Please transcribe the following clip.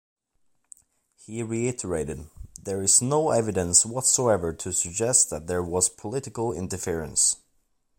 He reiterated: There is no evidence whatsoever to suggest that there was political interference.